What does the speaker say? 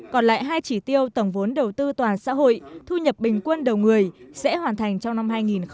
còn lại hai chỉ tiêu tổng vốn đầu tư toàn xã hội thu nhập bình quân đầu người sẽ hoàn thành trong năm hai nghìn hai mươi